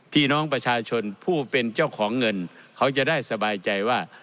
พี่น้องประชาชนผู้เป็นเจ้าของเงินเขาจะได้สบายใจว่า